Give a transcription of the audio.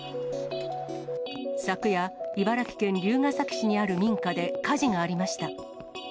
昨夜、茨城県龍ケ崎市にある民家で火事がありました。